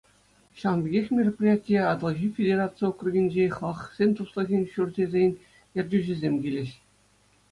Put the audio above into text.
Ҫавӑн пекех мероприятие Атӑлҫи федераци округӗнчи Халӑхсен туслӑхӗн ҫурчӗсен ертӳҫисем килӗҫ.